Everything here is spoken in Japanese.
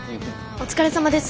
お疲れさまです。